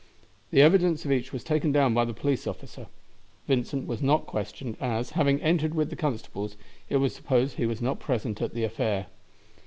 The evidence of each was taken down by the police officer. Vincent was not questioned, as, having entered with the constables, it was supposed he was not present at the affair.